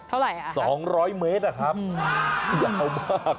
เท่าไหร่อะสองร้อยเมตรอะครับยาวมาก